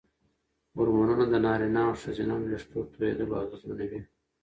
هورمونونه د نارینه او ښځینه وېښتو توېیدل اغېزمنوي.